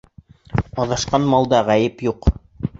Аҙашҡан малда ғәйеп юҡ.